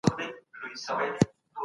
تعليم علمي فکر زياتوي.